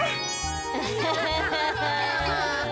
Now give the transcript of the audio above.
アハハハ。